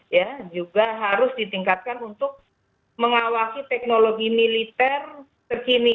ya juga harus ditingkatkan untuk mengawasi teknologi militer terkini